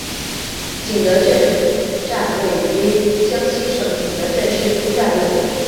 景德镇站位于江西省景德镇市通站路。